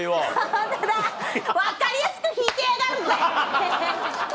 ホントだ分かりやすく引いてやがるぜ！